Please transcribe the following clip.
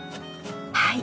はい。